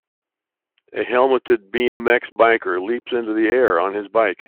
A helmeted BMX biker leaps into the air on his bike.